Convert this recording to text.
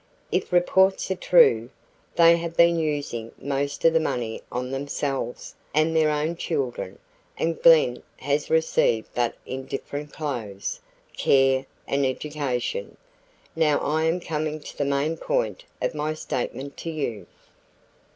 If reports are true, they have been using most of the money on themselves and their own children and Glen has received but indifferent clothes, care, and education. Now I am coming to the main point of my statement to you.